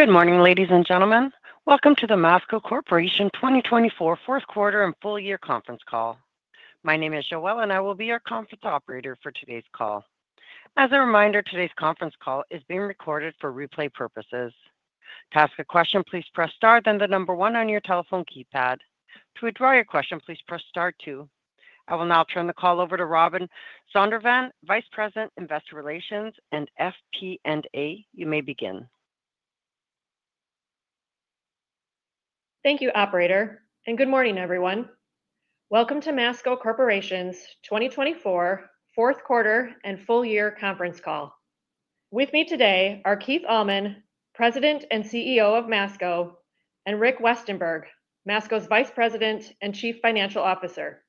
Good morning, ladies and gentlemen. Welcome to the Masco Corporation 2024 Fourth Quarter and Full Year Conference Call. My name is Joelle, and I will be your conference operator for today's call. As a reminder, today's conference call is being recorded for replay purposes. To ask a question, please press star, then the number one on your telephone keypad. To withdraw your question, please press star two. I will now turn the call over to Robin Zondervan, Vice President, Investor Relations and FP&A. You may begin. Thank you, Operator, and good morning, everyone. Welcome to Masco Corporation's 2024 Fourth Quarter and Full Year Conference Call. With me today are Keith Allman, President and CEO of Masco, and Rick Westenberg, Masco's Vice President and Chief Financial Officer.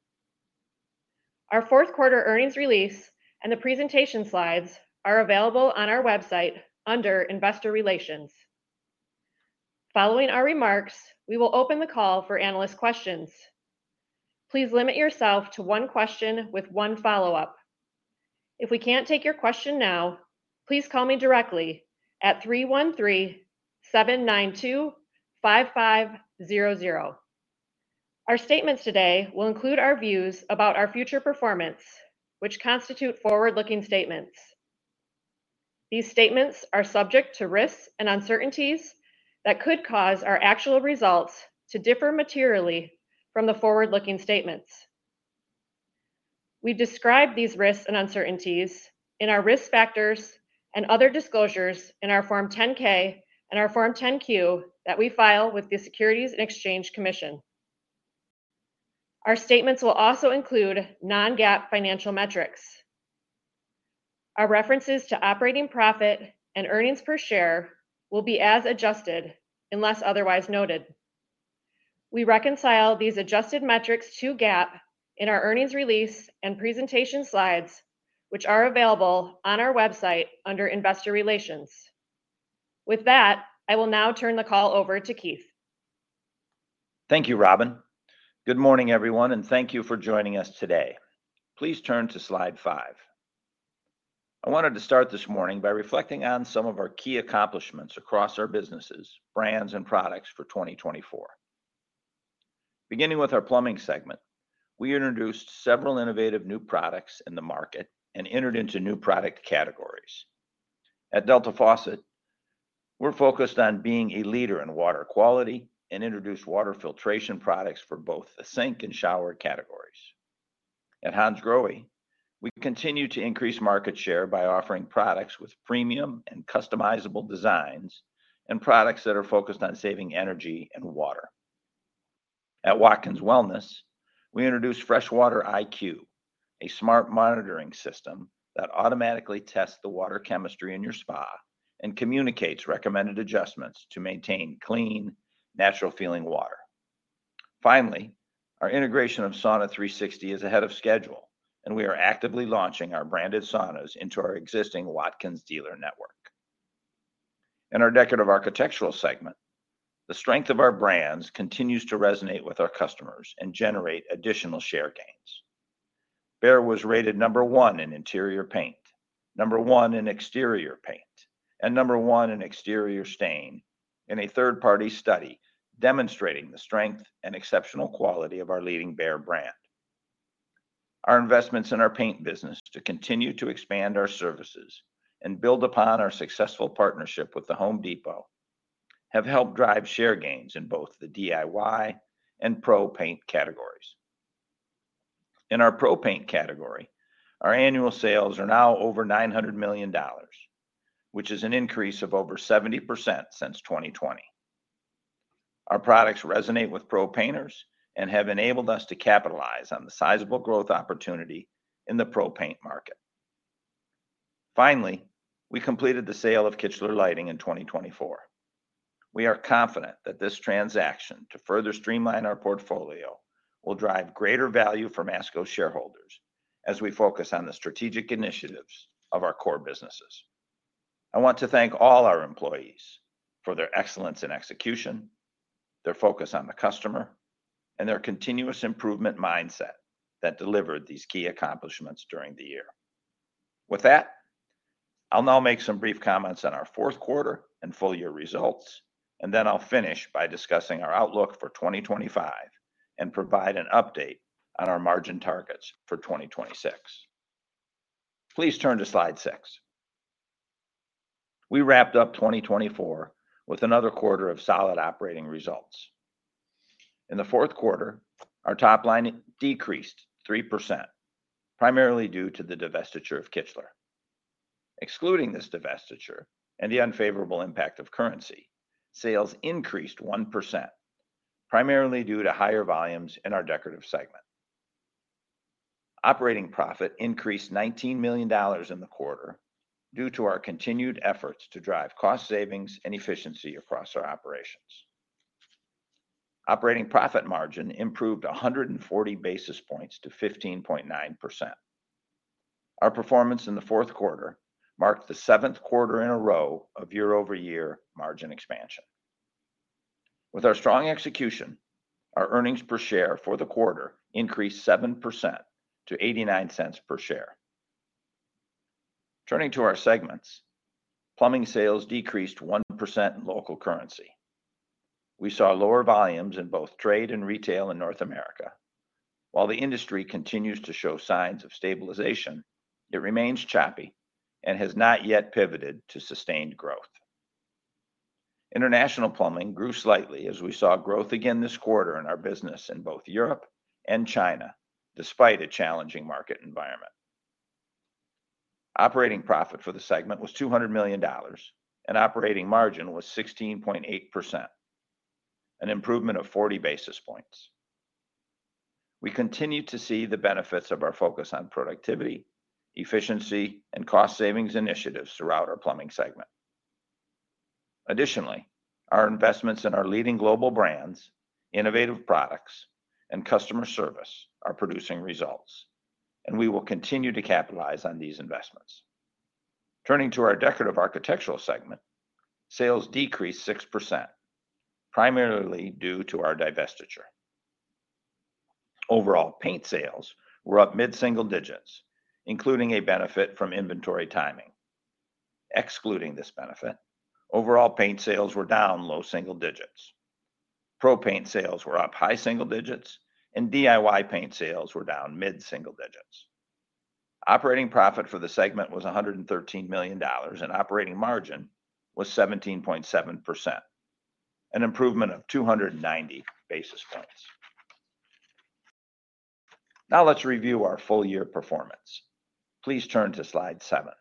Our Fourth Quarter earnings release and the presentation slides are available on our website under Investor Relations. Following our remarks, we will open the call for analyst questions. Please limit yourself to one question with one follow-up. If we can't take your question now, please call me directly at 313-792-5500. Our statements today will include our views about our future performance, which constitute forward-looking statements. These statements are subject to risks and uncertainties that could cause our actual results to differ materially from the forward-looking statements. We describe these risks and uncertainties in our risk factors and other disclosures in our Form 10-K and our Form 10-Q that we file with the Securities and Exchange Commission. Our statements will also include Non-GAAP financial metrics. Our references to operating profit and earnings per share will be as adjusted unless otherwise noted. We reconcile these adjusted metrics to GAAP in our earnings release and presentation slides, which are available on our website under Investor Relations. With that, I will now turn the call over to Keith. Thank you, Robin. Good morning, everyone, and thank you for joining us today. Please turn to slide five. I wanted to start this morning by reflecting on some of our key accomplishments across our businesses, brands, and products for 2024. Beginning with our plumbing segment, we introduced several innovative new products in the market and entered into new product categories. At Delta Faucet, we're focused on being a leader in water quality and introduced water filtration products for both the sink and shower categories. At Hansgrohe, we continue to increase market share by offering products with premium and customizable designs and products that are focused on saving energy and water. At Watkins Wellness, we introduced FreshWater IQ, a smart monitoring system that automatically tests the water chemistry in your spa and communicates recommended adjustments to maintain clean, natural-feeling water. Finally, our integration of Sauna360 is ahead of schedule, and we are actively launching our branded saunas into our existing Watkins dealer network. In our decorative architectural segment, the strength of our brands continues to resonate with our customers and generate additional share gains. Behr was rated number one in interior paint, number one in exterior paint, and number one in exterior stain in a third-party study demonstrating the strength and exceptional quality of our leading Behr brand. Our investments in our paint business to continue to expand our services and build upon our successful partnership with the Home Depot have helped drive share gains in both the DIY and pro paint categories. In our pro paint category, our annual sales are now over $900 million, which is an increase of over 70% since 2020. Our products resonate with pro painters and have enabled us to capitalize on the sizable growth opportunity in the pro paint market. Finally, we completed the sale of Kichler Lighting in 2024. We are confident that this transaction, to further streamline our portfolio, will drive greater value for Masco shareholders as we focus on the strategic initiatives of our core businesses. I want to thank all our employees for their excellence in execution, their focus on the customer, and their continuous improvement mindset that delivered these key accomplishments during the year. With that, I'll now make some brief comments on our Fourth Quarter and Full Year results, and then I'll finish by discussing our outlook for 2025 and provide an update on our margin targets for 2026. Please turn to slide six. We wrapped up 2024 with another quarter of solid operating results. In the fourth quarter, our top line decreased 3%, primarily due to the divestiture of Kichler. Excluding this divestiture and the unfavorable impact of currency, sales increased 1%, primarily due to higher volumes in our decorative segment. Operating profit increased $19 million in the quarter due to our continued efforts to drive cost savings and efficiency across our operations. Operating profit margin improved 140 basis points to 15.9%. Our performance in the fourth quarter marked the seventh quarter in a row of year-over-year margin expansion. With our strong execution, our earnings per share for the quarter increased 7% to $0.89 per share. Turning to our segments, plumbing sales decreased 1% in local currency. We saw lower volumes in both trade and retail in North America. While the industry continues to show signs of stabilization, it remains choppy and has not yet pivoted to sustained growth. International plumbing grew slightly as we saw growth again this quarter in our business in both Europe and China, despite a challenging market environment. Operating profit for the segment was $200 million, and operating margin was 16.8%, an improvement of 40 basis points. We continue to see the benefits of our focus on productivity, efficiency, and cost savings initiatives throughout our plumbing segment. Additionally, our investments in our leading global brands, innovative products, and customer service are producing results, and we will continue to capitalize on these investments. Turning to our decorative architectural segment, sales decreased 6%, primarily due to our divestiture. Overall paint sales were up mid-single digits, including a benefit from inventory timing. Excluding this benefit, overall paint sales were down low single digits. Pro paint sales were up high single digits, and DIY paint sales were down mid-single digits. Operating profit for the segment was $113 million, and operating margin was 17.7%, an improvement of 290 basis points. Now let's review our full year performance. Please turn to slide seven.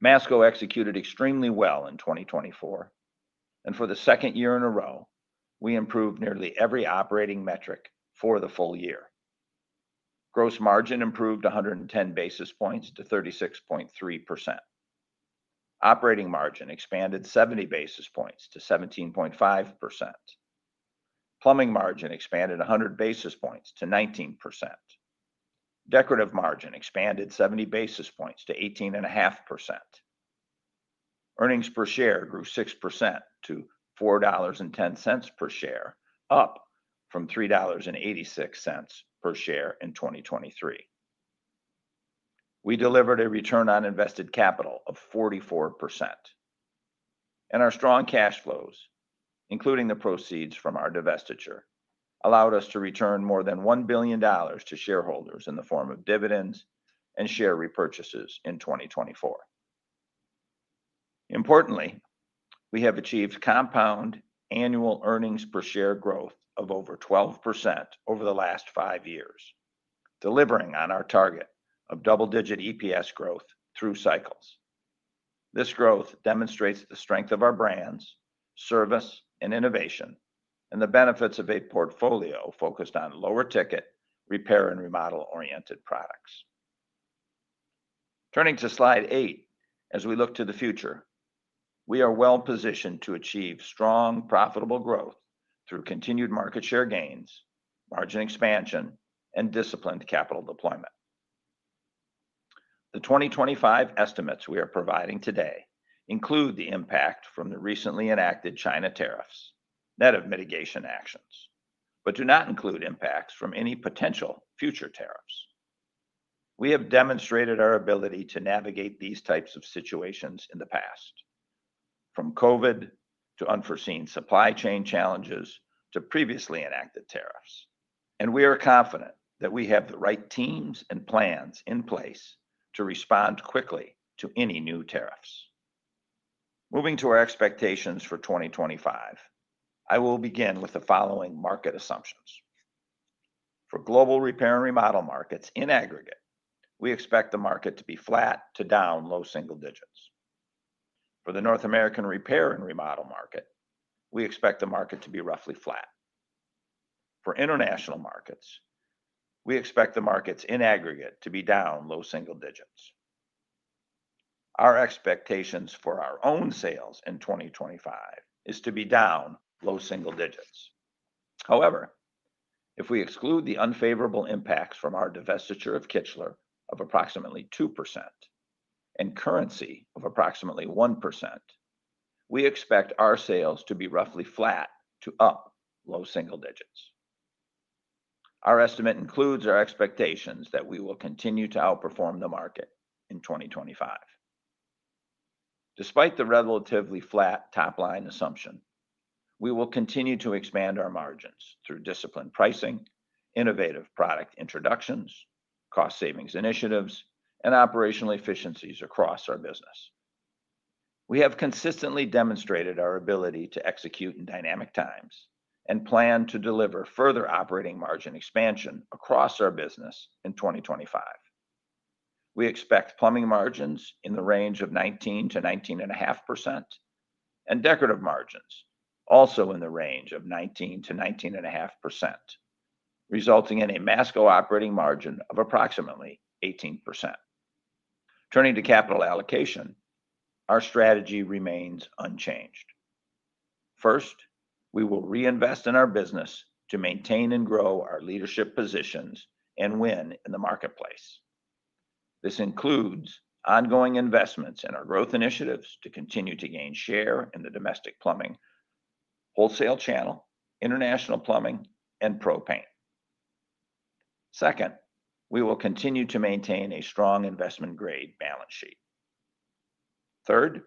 Masco executed extremely well in 2024, and for the second year in a row, we improved nearly every operating metric for the full year. Gross margin improved 110 basis points to 36.3%. Operating margin expanded 70 basis points to 17.5%. Plumbing margin expanded 100 basis points to 19%. Decorative margin expanded 70 basis points to 18.5%. Earnings per share grew 6% to $4.10 per share, up from $3.86 per share in 2023. We delivered a return on invested capital of 44%. And our strong cash flows, including the proceeds from our divestiture, allowed us to return more than $1 billion to shareholders in the form of dividends and share repurchases in 2024. Importantly, we have achieved compound annual earnings per share growth of over 12% over the last five years, delivering on our target of double-digit EPS growth through cycles. This growth demonstrates the strength of our brands, service, and innovation, and the benefits of a portfolio focused on lower ticket, repair, and remodel-oriented products. Turning to slide eight, as we look to the future, we are well positioned to achieve strong, profitable growth through continued market share gains, margin expansion, and disciplined capital deployment. The 2025 estimates we are providing today include the impact from the recently enacted China tariffs, net of mitigation actions, but do not include impacts from any potential future tariffs. We have demonstrated our ability to navigate these types of situations in the past, from COVID to unforeseen supply chain challenges to previously enacted tariffs. And we are confident that we have the right teams and plans in place to respond quickly to any new tariffs. Moving to our expectations for 2025, I will begin with the following market assumptions. For global repair and remodel markets in aggregate, we expect the market to be flat to down low single digits. For the North American repair and remodel market, we expect the market to be roughly flat. For international markets, we expect the markets in aggregate to be down low single digits. Our expectations for our own sales in 2025 are to be down low single digits. However, if we exclude the unfavorable impacts from our divestiture of Kichler of approximately 2% and currency of approximately 1%, we expect our sales to be roughly flat to up low single digits. Our estimate includes our expectations that we will continue to outperform the market in 2025. Despite the relatively flat top line assumption, we will continue to expand our margins through disciplined pricing, innovative product introductions, cost savings initiatives, and operational efficiencies across our business. We have consistently demonstrated our ability to execute in dynamic times and plan to deliver further operating margin expansion across our business in 2025. We expect plumbing margins in the range of 19%-19.5% and decorative margins also in the range of 19%-19.5%, resulting in a Masco operating margin of approximately 18%. Turning to capital allocation, our strategy remains unchanged. First, we will reinvest in our business to maintain and grow our leadership positions and win in the marketplace. This includes ongoing investments in our growth initiatives to continue to gain share in the domestic plumbing, wholesale channel, international plumbing, and pro paint. Second, we will continue to maintain a strong investment-grade balance sheet. Third,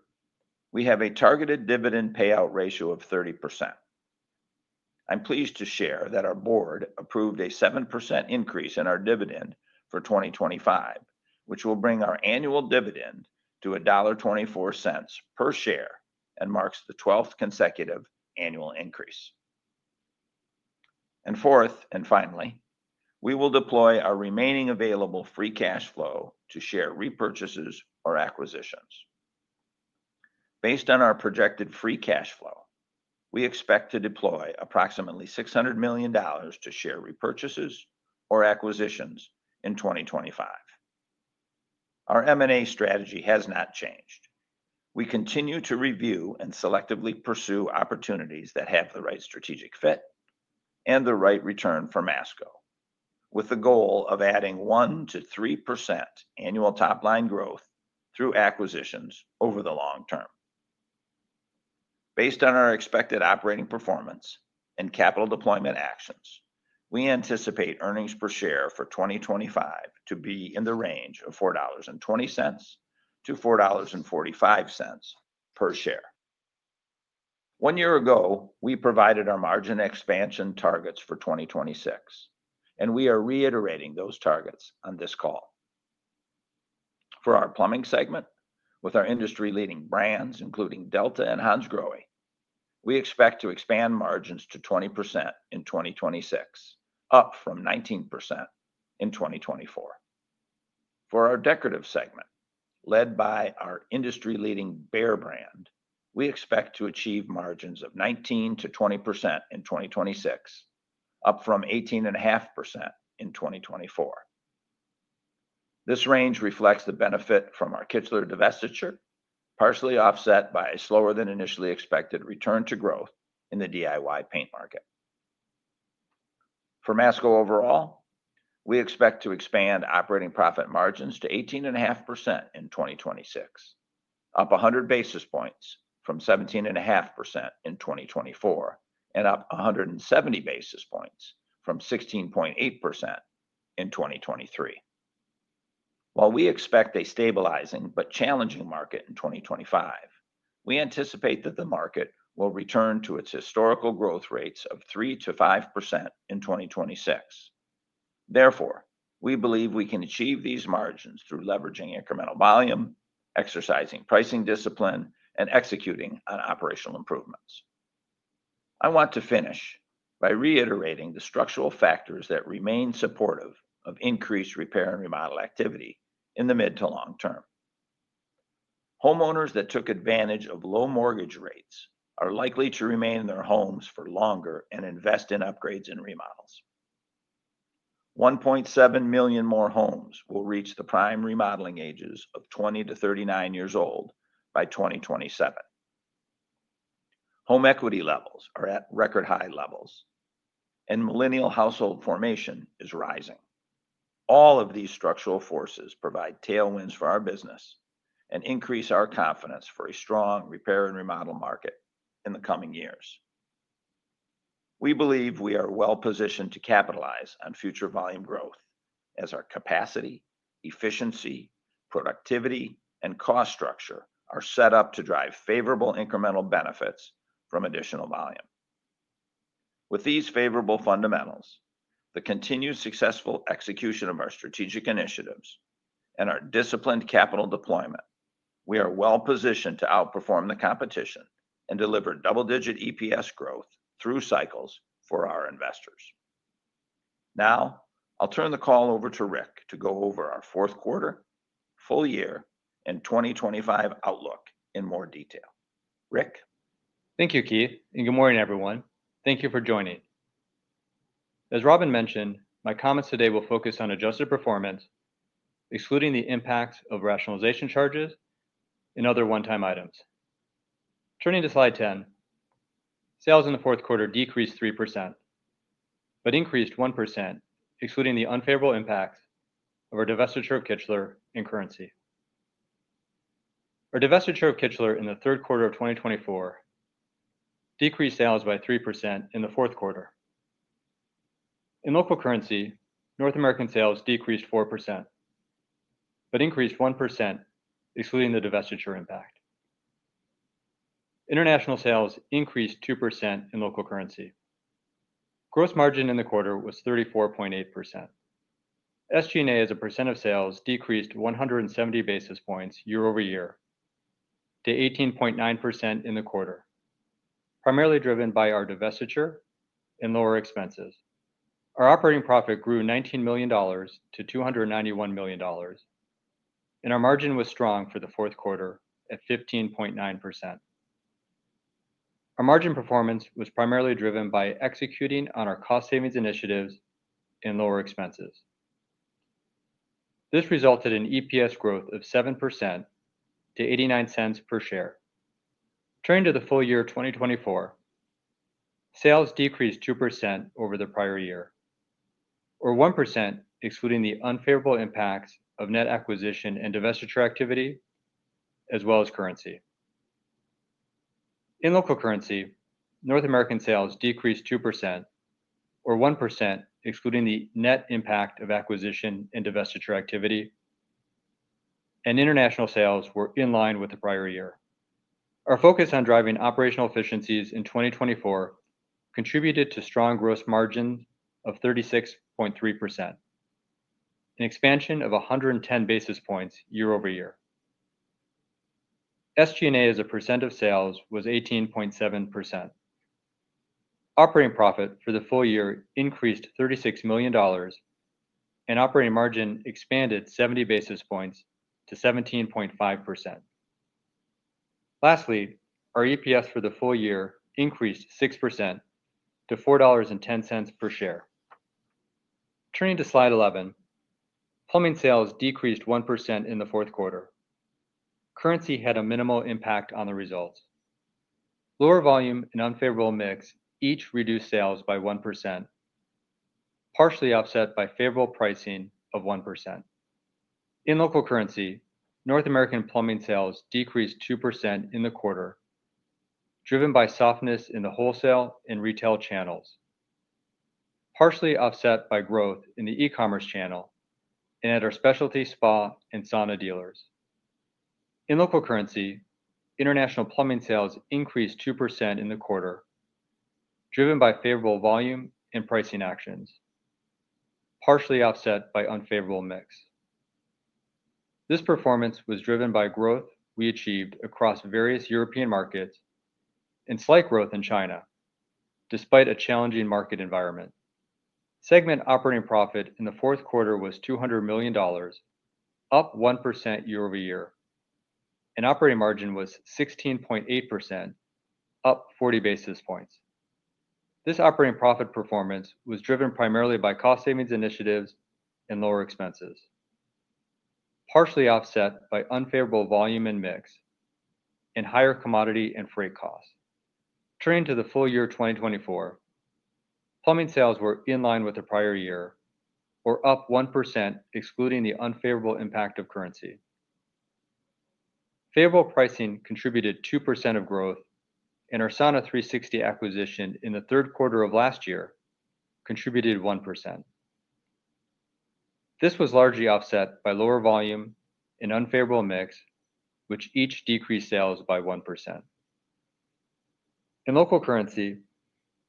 we have a targeted dividend payout ratio of 30%. I'm pleased to share that our board approved a 7% increase in our dividend for 2025, which will bring our annual dividend to $1.24 per share and marks the 12th consecutive annual increase. And fourth and finally, we will deploy our remaining available free cash flow to share repurchases or acquisitions. Based on our projected free cash flow, we expect to deploy approximately $600 million to share repurchases or acquisitions in 2025. Our M&A strategy has not changed. We continue to review and selectively pursue opportunities that have the right strategic fit and the right return for Masco, with the goal of adding 1%-3% annual top line growth through acquisitions over the long term. Based on our expected operating performance and capital deployment actions, we anticipate earnings per share for 2025 to be in the range of $4.20-$4.45 per share. One year ago, we provided our margin expansion targets for 2026, and we are reiterating those targets on this call. For our plumbing segment, with our industry-leading brands, including Delta and Hansgrohe, we expect to expand margins to 20% in 2026, up from 19% in 2024. For our decorative segment, led by our industry-leading Behr brand, we expect to achieve margins of 19%-20% in 2026, up from 18.5% in 2024. This range reflects the benefit from our Kichler divestiture, partially offset by a slower-than-initially-expected return to growth in the DIY paint market. For Masco overall, we expect to expand operating profit margins to 18.5% in 2026, up 100 basis points from 17.5% in 2024 and up 170 basis points from 16.8% in 2023. While we expect a stabilizing but challenging market in 2025, we anticipate that the market will return to its historical growth rates of 3% to 5% in 2026. Therefore, we believe we can achieve these margins through leveraging incremental volume, exercising pricing discipline, and executing on operational improvements. I want to finish by reiterating the structural factors that remain supportive of increased repair and remodel activity in the mid to long term. Homeowners that took advantage of low mortgage rates are likely to remain in their homes for longer and invest in upgrades and remodels. 1.7 million more homes will reach the prime remodeling ages of 20-39 years old by 2027. Home equity levels are at record high levels, and millennial household formation is rising. All of these structural forces provide tailwinds for our business and increase our confidence for a strong repair and remodel market in the coming years. We believe we are well positioned to capitalize on future volume growth as our capacity, efficiency, productivity, and cost structure are set up to drive favorable incremental benefits from additional volume. With these favorable fundamentals, the continued successful execution of our strategic initiatives, and our disciplined capital deployment, we are well positioned to outperform the competition and deliver double-digit EPS growth through cycles for our investors. Now, I'll turn the call over to Rick to go over our fourth quarter, full year, and 2025 outlook in more detail. Rick. Thank you, Keith. And good morning, everyone. Thank you for joining. As Robin mentioned, my comments today will focus on adjusted performance, excluding the impact of rationalization charges and other one-time items. Turning to slide 10, sales in the fourth quarter decreased 3%, but increased 1%, excluding the unfavorable impact of our divestiture of Kichler and currency. Our divestiture of Kichler in the third quarter of 2024 decreased sales by 3% in the fourth quarter. In local currency, North American sales decreased 4%, but increased 1%, excluding the divestiture impact. International sales increased 2% in local currency. Gross margin in the quarter was 34.8%. SG&A as a percent of sales decreased 170 basis points year over year to 18.9% in the quarter, primarily driven by our divestiture and lower expenses. Our operating profit grew $19 million to $291 million, and our margin was strong for the fourth quarter at 15.9%. Our margin performance was primarily driven by executing on our cost savings initiatives and lower expenses. This resulted in EPS growth of 7% to $0.89 per share. Turning to the full year 2024, sales decreased 2% over the prior year, or 1%, excluding the unfavorable impacts of net acquisition and divestiture activity, as well as currency. In local currency, North American sales decreased 2%, or 1%, excluding the net impact of acquisition and divestiture activity, and international sales were in line with the prior year. Our focus on driving operational efficiencies in 2024 contributed to strong gross margins of 36.3% and expansion of 110 basis points year over year. SG&A as a percent of sales was 18.7%. Operating profit for the full year increased $36 million, and operating margin expanded 70 basis points to 17.5%. Lastly, our EPS for the full year increased 6% to $4.10 per share. Turning to slide 11, plumbing sales decreased 1% in the fourth quarter. Currency had a minimal impact on the results. Lower volume and unfavorable mix each reduced sales by 1%, partially offset by favorable pricing of 1%. In local currency, North American plumbing sales decreased 2% in the quarter, driven by softness in the wholesale and retail channels, partially offset by growth in the e-commerce channel and at our specialty spa and sauna dealers. In local currency, international plumbing sales increased 2% in the quarter, driven by favorable volume and pricing actions, partially offset by unfavorable mix. This performance was driven by growth we achieved across various European markets and slight growth in China, despite a challenging market environment. Segment operating profit in the fourth quarter was $200 million, up 1% year over year, and operating margin was 16.8%, up 40 basis points. This operating profit performance was driven primarily by cost savings initiatives and lower expenses, partially offset by unfavorable volume and mix and higher commodity and freight costs. Turning to the full year 2024, plumbing sales were in line with the prior year, or up 1%, excluding the unfavorable impact of currency. Favorable pricing contributed 2% of growth, and our Sauna360 acquisition in the third quarter of last year contributed 1%. This was largely offset by lower volume and unfavorable mix, which each decreased sales by 1%. In local currency,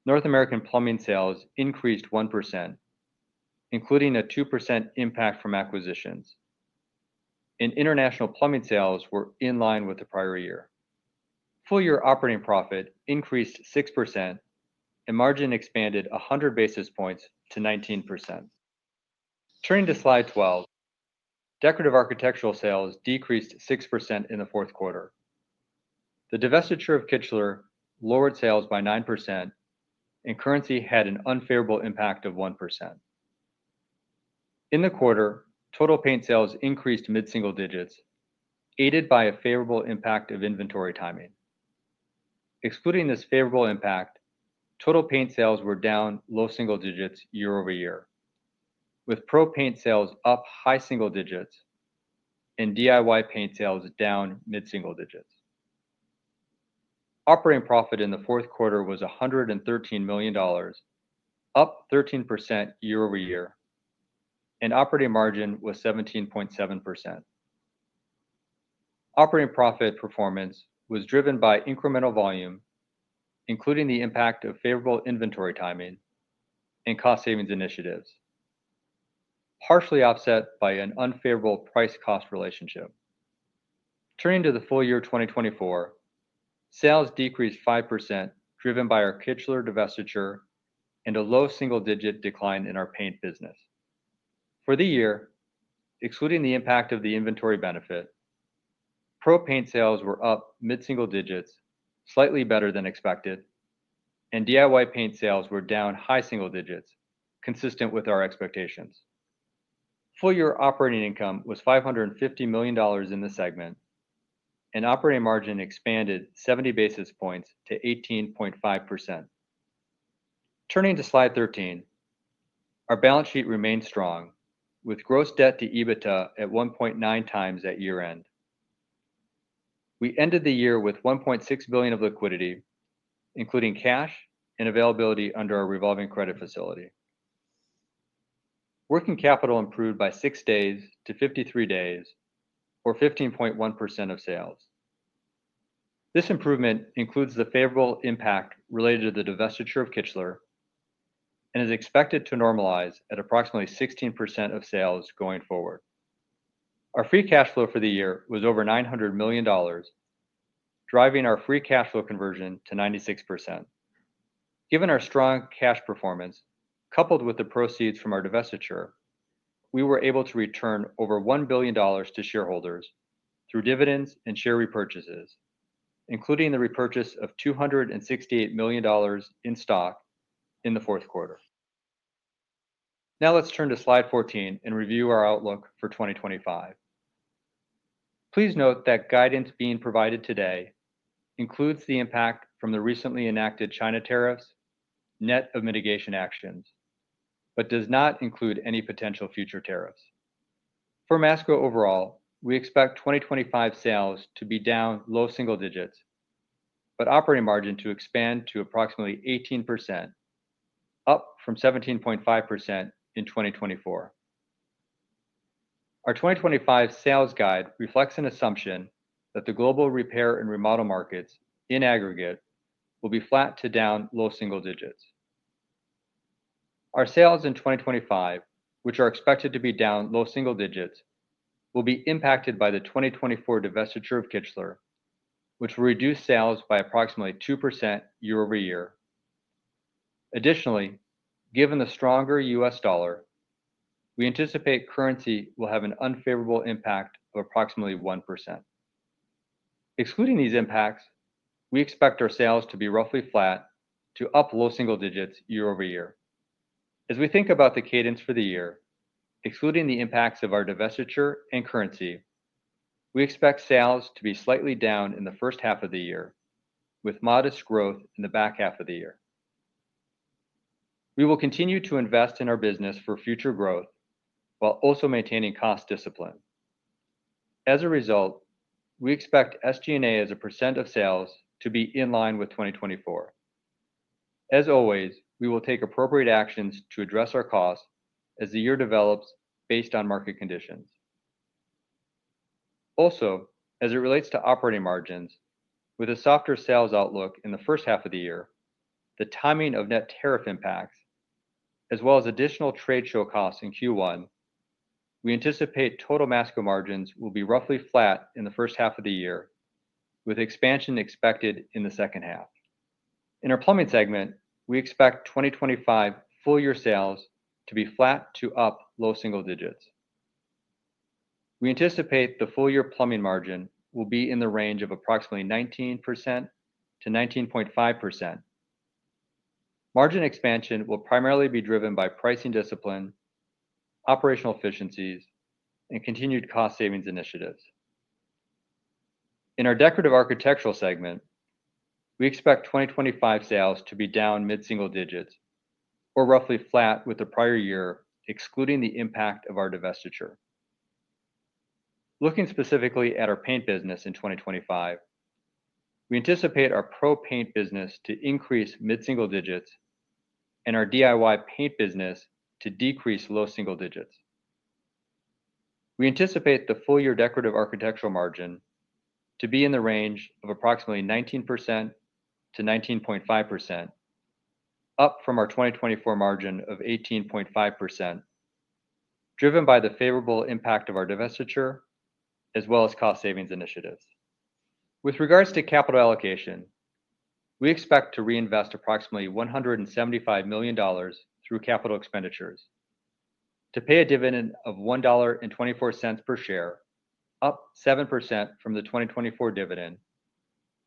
North American plumbing sales increased 1%, including a 2% impact from acquisitions, and international plumbing sales were in line with the prior year. Full year operating profit increased 6%, and margin expanded 100 basis points to 19%. Turning to slide 12, decorative architectural sales decreased 6% in the fourth quarter. The divestiture of Kichler lowered sales by 9%, and currency had an unfavorable impact of 1%. In the quarter, total paint sales increased mid-single digits, aided by a favorable impact of inventory timing. Excluding this favorable impact, total paint sales were down low single digits year over year, with Pro Paint sales up high single digits and DIY paint sales down mid-single digits. Operating profit in the fourth quarter was $113 million, up 13% year over year, and operating margin was 17.7%. Operating profit performance was driven by incremental volume, including the impact of favorable inventory timing and cost savings initiatives, partially offset by an unfavorable price-cost relationship. Turning to the full year 2024, sales decreased 5%, driven by our Kichler divestiture and a low single-digit decline in our paint business. For the year, excluding the impact of the inventory benefit, Pro Paint sales were up mid-single digits, slightly better than expected, and DIY paint sales were down high single digits, consistent with our expectations. Full year operating income was $550 million in the segment, and operating margin expanded 70 basis points to 18.5%. Turning to slide 13, our balance sheet remained strong, with gross debt to EBITDA at 1.9 times at year-end. We ended the year with $1.6 billion of liquidity, including cash and availability under our revolving credit facility. Working capital improved by 6 days to 53 days, or 15.1% of sales. This improvement includes the favorable impact related to the divestiture of Kichler and is expected to normalize at approximately 16% of sales going forward. Our free cash flow for the year was over $900 million, driving our free cash flow conversion to 96%. Given our strong cash performance, coupled with the proceeds from our divestiture, we were able to return over $1 billion to shareholders through dividends and share repurchases, including the repurchase of $268 million in stock in the fourth quarter. Now let's turn to slide 14 and review our outlook for 2025. Please note that guidance being provided today includes the impact from the recently enacted China tariffs, net of mitigation actions, but does not include any potential future tariffs. For Masco overall, we expect 2025 sales to be down low single digits, but operating margin to expand to approximately 18%, up from 17.5% in 2024. Our 2025 sales guide reflects an assumption that the global repair and remodel markets in aggregate will be flat to down low single digits. Our sales in 2025, which are expected to be down low single digits, will be impacted by the 2024 divestiture of Kichler, which will reduce sales by approximately 2% year over year. Additionally, given the stronger U.S. dollar, we anticipate currency will have an unfavorable impact of approximately 1%. Excluding these impacts, we expect our sales to be roughly flat to up low single digits year over year. As we think about the cadence for the year, excluding the impacts of our divestiture and currency, we expect sales to be slightly down in the first half of the year, with modest growth in the back half of the year. We will continue to invest in our business for future growth while also maintaining cost discipline. As a result, we expect SG&A as a percent of sales to be in line with 2024. As always, we will take appropriate actions to address our costs as the year develops based on market conditions. Also, as it relates to operating margins, with a softer sales outlook in the first half of the year, the timing of net tariff impacts, as well as additional trade show costs in Q1, we anticipate total Masco margins will be roughly flat in the first half of the year, with expansion expected in the second half. In our plumbing segment, we expect 2025 full year sales to be flat to up low single digits. We anticipate the full year plumbing margin will be in the range of approximately 19% to 19.5%. Margin expansion will primarily be driven by pricing discipline, operational efficiencies, and continued cost savings initiatives. In our decorative architectural segment, we expect 2025 sales to be down mid-single digits, or roughly flat with the prior year, excluding the impact of our divestiture. Looking specifically at our paint business in 2025, we anticipate our pro paint business to increase mid-single digits and our DIY paint business to decrease low single digits. We anticipate the full year decorative architectural margin to be in the range of approximately 19%-19.5%, up from our 2024 margin of 18.5%, driven by the favorable impact of our divestiture, as well as cost savings initiatives. With regards to capital allocation, we expect to reinvest approximately $175 million through capital expenditures to pay a dividend of $1.24 per share, up 7% from the 2024 dividend,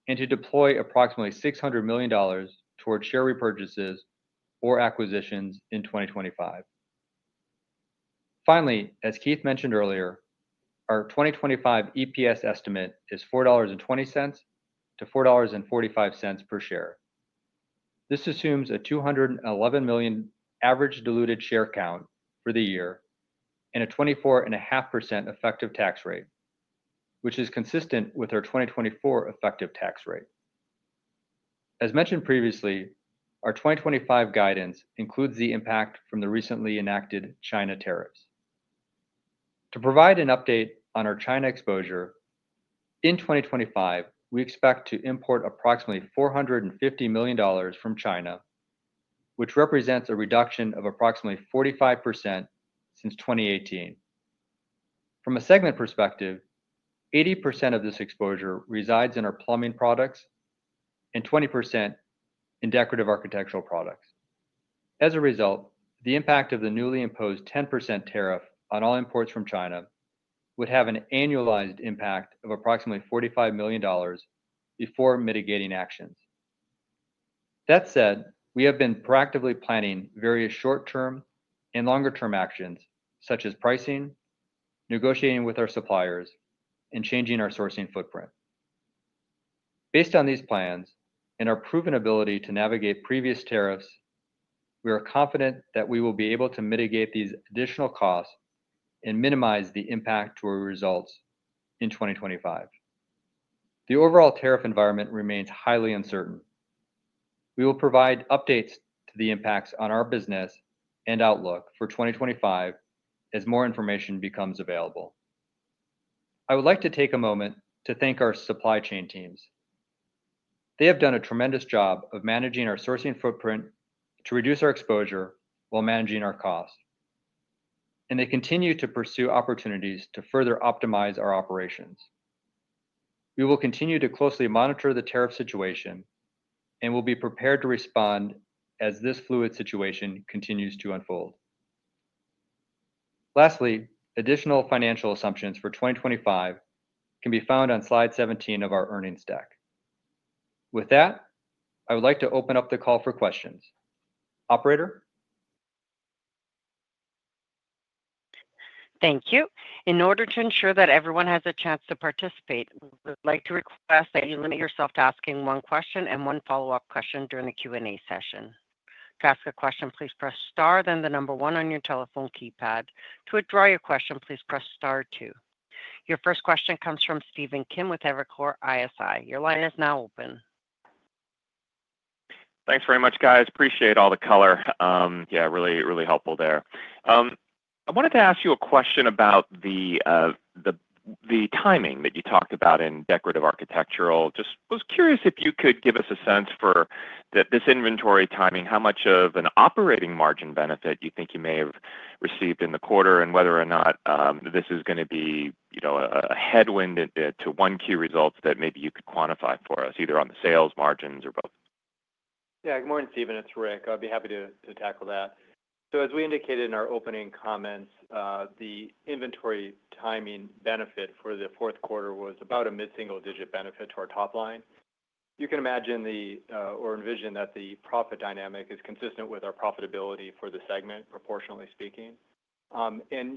and to deploy approximately $600 million towards share repurchases or acquisitions in 2025. Finally, as Keith mentioned earlier, our 2025 EPS estimate is $4.20-$4.45 per share. This assumes a 211 million average diluted share count for the year and a 24.5% effective tax rate, which is consistent with our 2024 effective tax rate. As mentioned previously, our 2025 guidance includes the impact from the recently enacted China tariffs. To provide an update on our China exposure, in 2025, we expect to import approximately $450 million from China, which represents a reduction of approximately 45% since 2018. From a segment perspective, 80% of this exposure resides in our plumbing products and 20% in decorative architectural products. As a result, the impact of the newly imposed 10% tariff on all imports from China would have an annualized impact of approximately $45 million before mitigating actions. That said, we have been proactively planning various short-term and longer-term actions, such as pricing, negotiating with our suppliers, and changing our sourcing footprint. Based on these plans and our proven ability to navigate previous tariffs, we are confident that we will be able to mitigate these additional costs and minimize the impact to our results in 2025. The overall tariff environment remains highly uncertain. We will provide updates to the impacts on our business and outlook for 2025 as more information becomes available. I would like to take a moment to thank our supply chain teams. They have done a tremendous job of managing our sourcing footprint to reduce our exposure while managing our costs, and they continue to pursue opportunities to further optimize our operations. We will continue to closely monitor the tariff situation and will be prepared to respond as this fluid situation continues to unfold. Lastly, additional financial assumptions for 2025 can be found on slide 17 of our earnings deck. With that, I would like to open up the call for questions. Operator? Thank you. In order to ensure that everyone has a chance to participate, we would like to request that you limit yourself to asking one question and one follow-up question during the Q&A session. To ask a question, please press Star, then the number one on your telephone keypad. To withdraw your question, please press Star 2. Your first question comes from Steven Kim with Evercore ISI. Your line is now open. Thanks very much, guys. Appreciate all the color. Yeah, really, really helpful there. I wanted to ask you a question about the timing that you talked about in decorative architectural. Just was curious if you could give us a sense for this inventory timing, how much of an operating margin benefit you think you may have received in the quarter and whether or not this is going to be a headwind to Q1 results that maybe you could quantify for us, either on the sales margins or both. Yeah, good morning, Steven. It's Rick. I'd be happy to tackle that. So, as we indicated in our opening comments, the inventory timing benefit for the fourth quarter was about a mid-single digit benefit to our top line. You can imagine or envision that the profit dynamic is consistent with our profitability for the segment, proportionally speaking.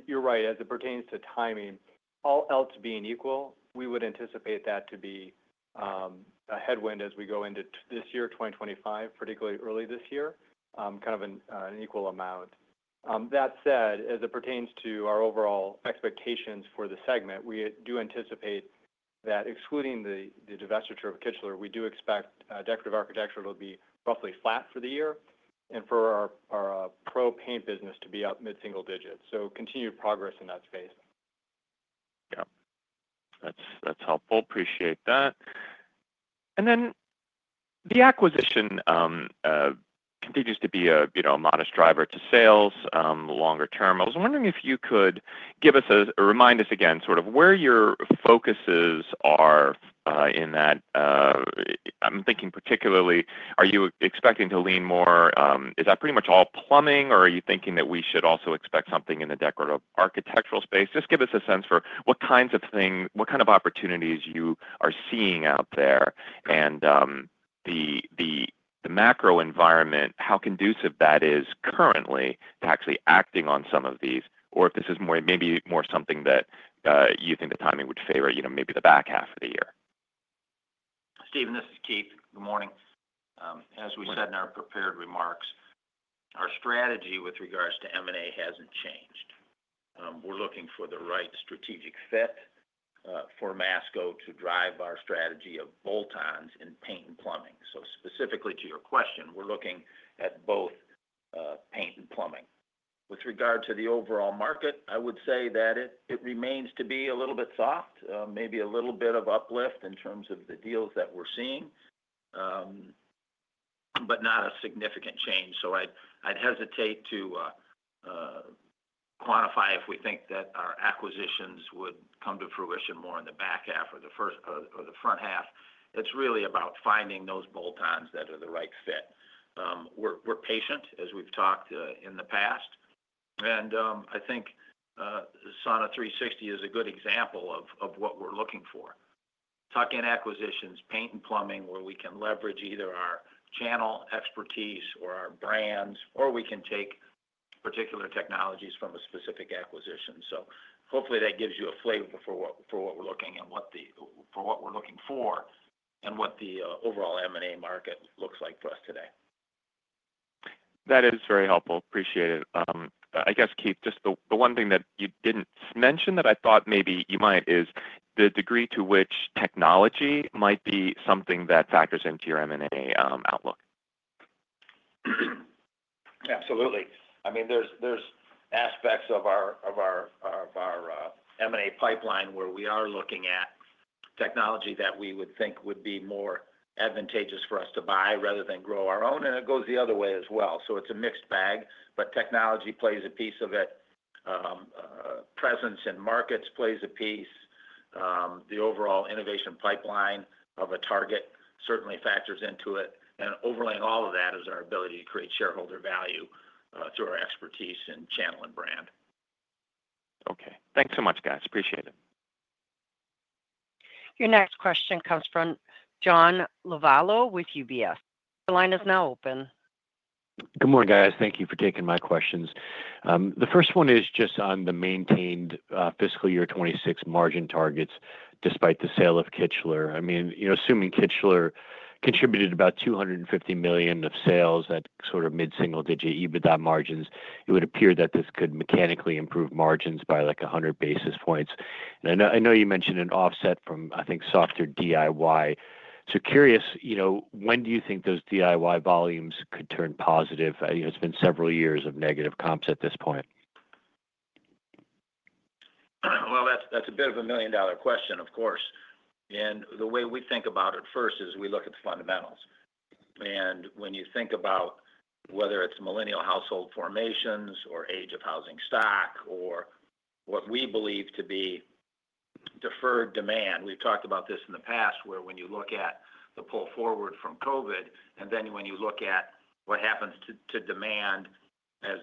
you're right, as it pertains to timing, all else being equal, we would anticipate that to be a headwind as we go into this year, 2025, particularly early this year, an equal amount. That said, as it pertains to our overall expectations for the segment, we do anticipate that, excluding the divestiture of Kichler, we do expect decorative architectural to be roughly flat for the year and for our pro paint business to be up mid-single digits. So, continued progress in that space. Yeah. That's helpful. Appreciate that. Then the acquisition continues to be a modest driver to sales longer term. I was wondering if you could remind us again where your focuses are in that. I'm thinking particularly, are you expecting to lean more? Is that pretty much all plumbing, or are you thinking that we should also expect something in the decorative architectural space? Just give us a sense for what kinds of things, what opportunities you are seeing out there and the macro environment, how conducive that is currently to actually acting on some of these, or if this is maybe more something that you think the timing would favor, maybe the back half of the year. Steven, this is Keith. Good morning. As we said in our prepared remarks, our strategy with regards to M&A hasn't changed. We're looking for the right strategic fit for Masco to drive our strategy of bolt-ons in paint and plumbing. So, specifically to your question, we're looking at both paint and plumbing. With regard to the overall market, I would say that it remains to be a little bit soft, maybe a little bit of uplift in terms of the deals that we're seeing, but not a significant change. I'd hesitate to quantify if we think that our acquisitions would come to fruition more in the back half or the front half. It's really about finding those bolt-ons that are the right fit. We're patient, as we've talked in the past, and I think Sauna360 is a good example of what we're looking for: tuck-in acquisitions, paint and plumbing, where we can leverage either our channel expertise or our brands, or we can take particular technologies from a specific acquisition. Hopefully, that gives you a flavor for what we're looking and what we're looking for and what the overall M&A market looks like for us today. That is very helpful. Appreciate it. I guess, Keith, just the one thing that you didn't mention that I thought maybe you might is the degree to which technology might be something that factors into your M&A outlook. Absolutely. I mean, there's aspects of our M&A pipeline where we are looking at technology that we would think would be more advantageous for us to buy rather than grow our own, and it goes the other way as well. It's a mixed bag, but technology plays a piece of it. Presence in markets plays a piece. The overall innovation pipeline of a target certainly factors into it. Overlaying all of that is our ability to create shareholder value through our expertise and channel and brand. Okay. Thanks so much, guys. Appreciate it. Your next question comes from John Lovallo with UBS. The line is now open. Good morning, guys. Thank you for taking my questions. The first one is just on the maintained fiscal year 2026 margin targets despite the sale of Kichler. I mean, assuming Kichler contributed about $250 million of sales at mid-single digit EBITDA margins, it would appear that this could mechanically improve margins by like 100 basis points. I know you mentioned an offset from, I think, softer DIY. So, curious, when do you think those DIY volumes could turn positive? It's been several years of negative comps at this point. Well, that's a bit of a million-dollar question, of course. And the way we think about it first is we look at the fundamentals. When you think about whether it's millennial household formations or age of housing stock or what we believe to be deferred demand, we've talked about this in the past where when you look at the pull forward from COVID and then when you look at what happens to demand as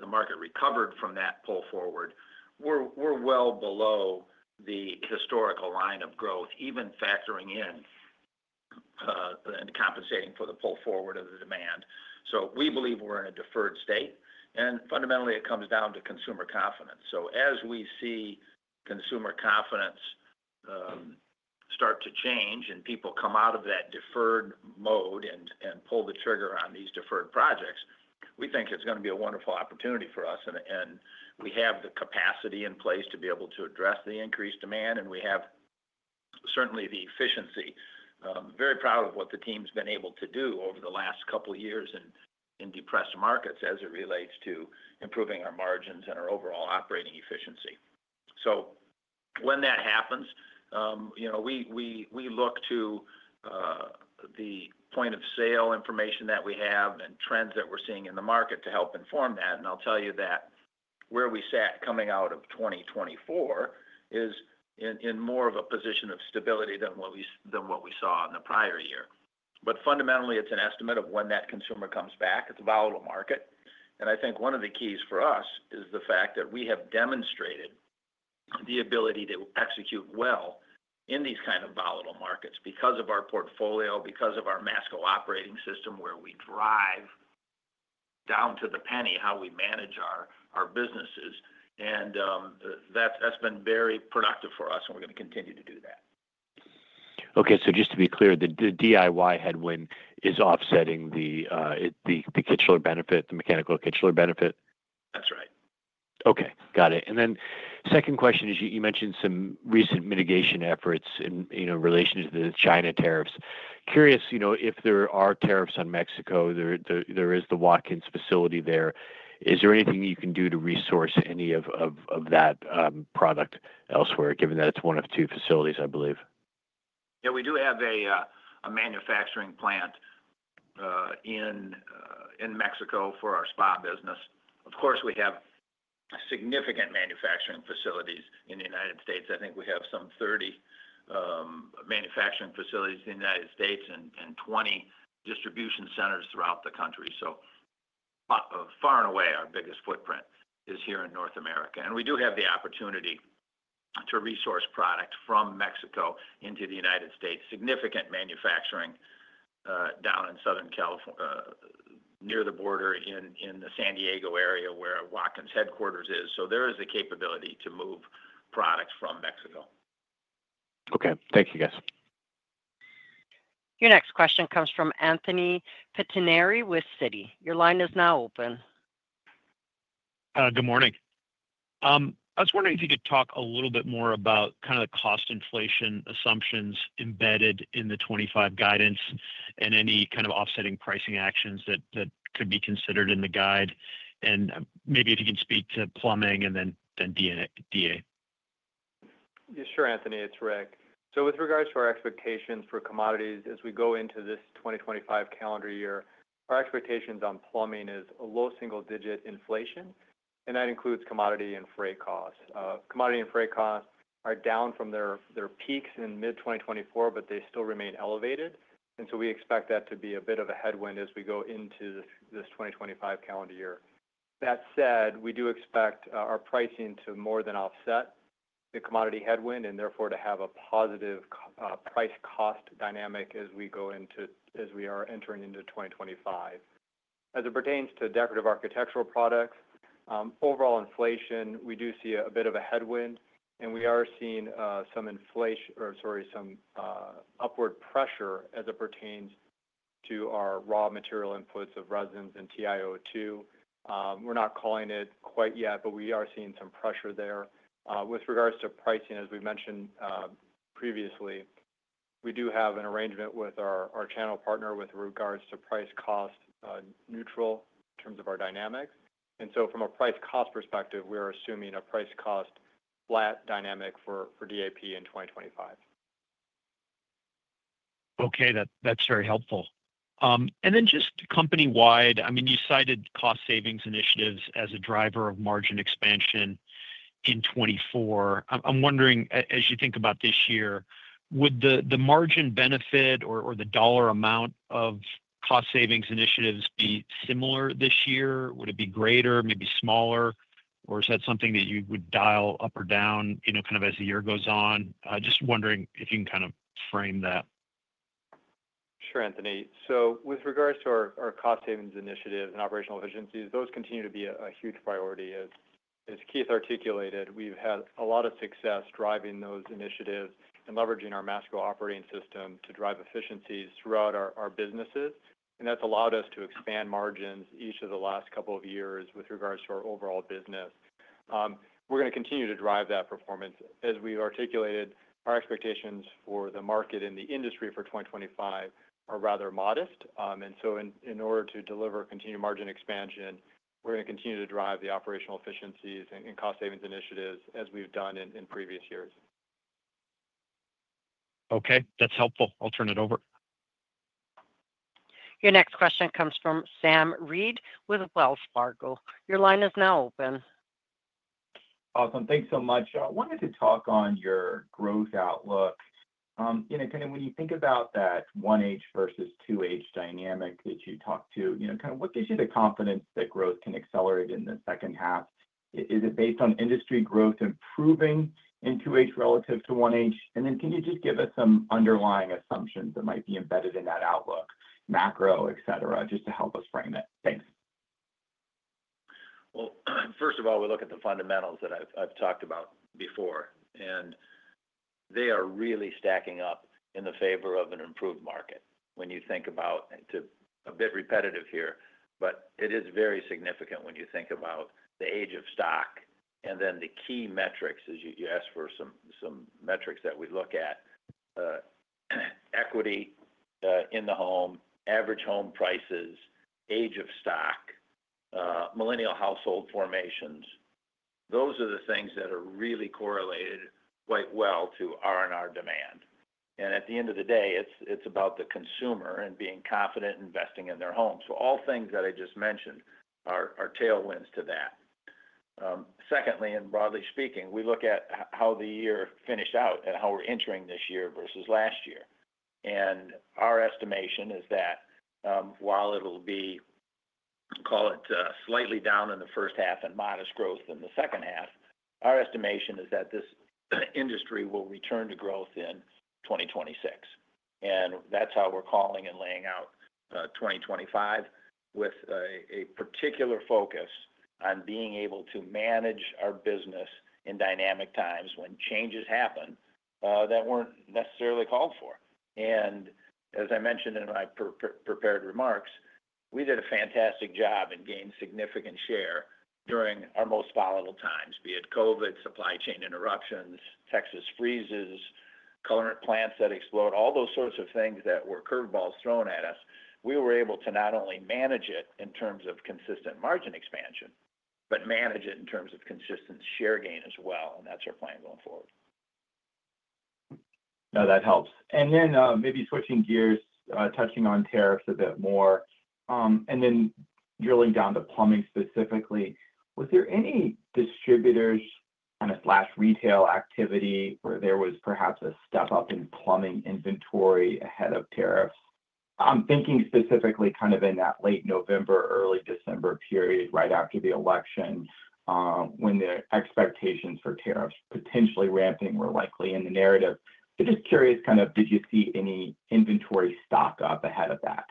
the market recovered from that pull forward, we're well below the historical line of growth, even factoring in and compensating for the pull forward of the demand. So, we believe we're in a deferred state. And fundamentally, it comes down to consumer confidence. So, as we see consumer confidence start to change and people come out of that deferred mode and pull the trigger on these deferred projects, we think it's going to be a wonderful opportunity for us. We have the capacity in place to be able to address the increased demand, and we have certainly the efficiency. Very proud of what the team's been able to do over the last couple of years in depressed markets as it relates to improving our margins and our overall operating efficiency. When that happens, we look to the point of sale information that we have and trends that we're seeing in the market to help inform that. And I'll tell you that where we sat coming out of 2024 is in more of a position of stability than what we saw in the prior year. Fundamentally, it's an estimate of when that consumer comes back. It's a volatile market. I think one of the keys for us is the fact that we have demonstrated the ability to execute well in these kinds of volatile markets because of our portfolio, because of our Masco Operating System where we drive down to the penny how we manage our businesses. That's been very productive for us, and we're going to continue to do that. Okay. Just to be clear, the DIY headwind is offsetting the Kichler benefit, the mechanical Kichler benefit? That's right. Okay. Got it. Then second question is you mentioned some recent mitigation efforts in relation to the China tariffs. Curious if there are tariffs on Mexico. There is the Watkins facility there. Is there anything you can do to resource any of that product elsewhere, given that it's one of two facilities, I believe? We do have a manufacturing plant in Mexico for our spa business. We have significant manufacturing facilities in the United States. I think we have some 30 manufacturing facilities in the United States and 20 distribution centers throughout the country. Far and away, our biggest footprint is here in North America. We do have the opportunity to resource product from Mexico into the United States, significant manufacturing down in Southern California near the border in the San Diego area where Watkins headquarters is. There is a capability to move product from Mexico. Okay. Thank you, guys. Your next question comes from Anthony Pettinari with Citi. Your line is now open. Good morning. I was wondering if you could talk a little bit more aboutthe cost inflation assumptions embedded in the 2025 guidance and any offsetting pricing actions that could be considered in the guide. Maybe if you can speak to plumbing and then DA. Sure, Anthony. It's Rick. With regards to our expectations for commodities as we go into this 2025 calendar year, our expectations on plumbing is a low single-digit inflation, and that includes commodity and freight costs. Commodity and freight costs are down from their peaks in mid-2024, but they still remain elevated. We expect that to be a bit of a headwind as we go into this 2025 calendar year. That said, we do expect our pricing to more than offset the commodity headwind and therefore to have a positive price-cost dynamic as we are entering into 2025. As it pertains to decorative architectural products, overall inflation, we do see a bit of a headwind, and we are seeing some inflation or, sorry, some upward pressure as it pertains to our raw material inputs of resins and TiO2. We're not calling it quite yet, but we are seeing some pressure there. With regards to pricing, as we mentioned previously, we do have an arrangement with our channel partner with regards to price-cost neutral in terms of our dynamics. From a price-cost perspective, we are assuming a price-cost flat dynamic for DAP in 2025. Okay. That's very helpful. Then just company-wide, I mean, you cited cost savings initiatives as a driver of margin expansion in 2024. I'm wondering, as you think about this year, would the margin benefit or the dollar amount of cost savings initiatives be similar this year? Would it be greater, maybe smaller, or is that something that you would dial up or down as the year goes on? Just wondering if you canframe that. Sure, Anthony. With regards to our cost savings initiatives and operational efficiencies, those continue to be a huge priority. As Keith articulated, we've had a lot of success driving those initiatives and leveraging our Masco Operating System to drive efficiencies throughout our businesses. That's allowed us to expand margins each of the last couple of years with regards to our overall business. We're going to continue to drive that performance. As we've articulated, our expectations for the market and the industry for 2025 are rather modest. And so, in order to deliver continued margin expansion, we're going to continue to drive the operational efficiencies and cost savings initiatives as we've done in previous years. Okay. That's helpful. I'll turn it over. Your next question comes from Sam Reid with Wells Fargo. Your line is now open. Awesome. Thanks so much. I wanted to talk on your growth outlook. When you think about that 1H versus 2H dynamic that you talked to, what gives you the confidence that growth can accelerate in the second half? Is it based on industry growth improving in 2H relative to 1H? Then can you just give us some underlying assumptions that might be embedded in that outlook, macro, etc., just to help us frame it? Thanks. First of all, we look at the fundamentals that I've talked about before, and they are really stacking up in favor of an improved market. When you think about it, a bit repetitive here, but it is very significant when you think about the age of stock. Then the key metrics, as you asked for some metrics that we look at, equity in the home, average home prices, age of stock, millennial household formations, those are the things that are really correlated quite well to R&R demand. At the end of the day, it's about the consumer and being confident investing in their homes. All things that I just mentioned are tailwinds to that. Secondly, and broadly speaking, we look at how the year finished out and how we're entering this year versus last year. Our estimation is that while it'll be, call it, slightly down in the first half and modest growth in the second half, our estimation is that this industry will return to growth in 2026. That's how we're calling and laying out 2025 with a particular focus on being able to manage our business in dynamic times when changes happen that weren't necessarily called for. As I mentioned in my prepared remarks, we did a fantastic job and gained significant share during our most volatile times, be it COVID, supply chain interruptions, Texas freezes, current plants that explode, all those sorts of things that were curveballs thrown at us. We were able to not only manage it in terms of consistent margin expansion, but manage it in terms of consistent share gain as well. That's our plan going forward. No, that helps. Then maybe switching gears, touching on tariffs a bit more, and then drilling down to plumbing specifically, was there any distributors slash retail activity where there was perhaps a step up in plumbing inventory ahead of tariffs? I'm thinking specifically in that late November, early December period right after the election when the expectations for tariffs potentially ramping were likely in the narrative. Just curious, did you see any inventory stock up ahead of that?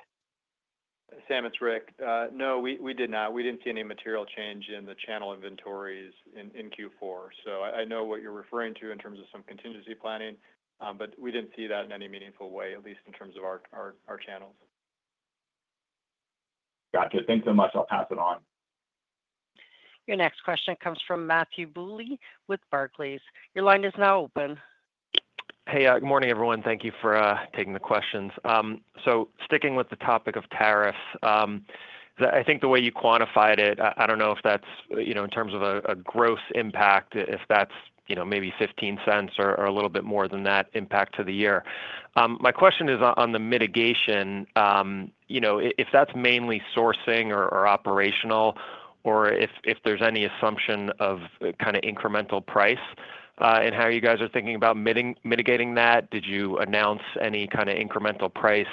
Sam, it's Rick. No, we did not. We didn't see any material change in the channel inventories in Q4. I know what you're referring to in terms of some contingency planning, but we didn't see that in any meaningful way, at least in terms of our channels. Gotcha. Thanks so much. I'll pass it on. Your next question comes from Matthew Bouley with Barclays. Your line is now open. Hey, good morning, everyone. Thank you for taking the questions. Sticking with the topic of tariffs, I think the way you quantified it, I don't know if that's in terms of a gross impact, if that's maybe $0.15 or a little bit more than that impact to the year. My question is on the mitigation, if that's mainly sourcing or operational, or if there's any assumption of incremental price in how you guys are thinking about mitigating that? Did you announce any incremental price